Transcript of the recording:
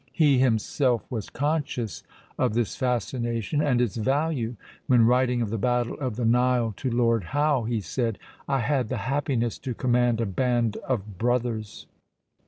He himself was conscious of this fascination and its value, when writing of the battle of the Nile to Lord Howe, he said, "I had the happiness to command a band of brothers."